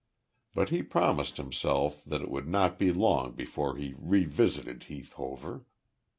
But he promised himself that it would not be long before he revisited Heath Hover.